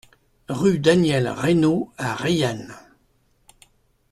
Rue Daniel Reynaud à Reillanne